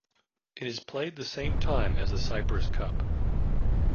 It is played the same time as the Cyprus Cup.